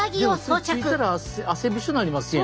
着いたら汗びしょなりますやん。